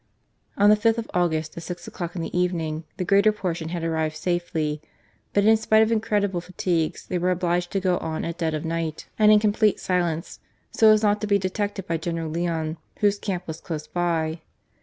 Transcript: On the 5th of August, at six o'clock in the evening, the greater portion had arrived safely; but in spite of incredible fatigues, they were obliged to go on at dead of night and in complete silence, so as not to be detected by General Leon, whose camp was close by.